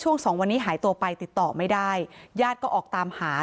สองวันนี้หายตัวไปติดต่อไม่ได้ญาติก็ออกตามหา